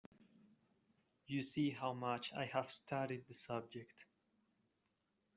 You see how much I have studied the subject.